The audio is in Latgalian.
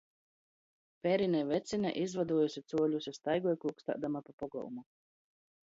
Perine Vecine izvoduojuse cuoļus i staigoj klukstādama pa pogolmu.